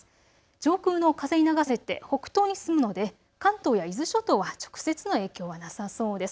上空の風に流されて北東に進むので関東や伊豆諸島は直接の影響はなさそうです。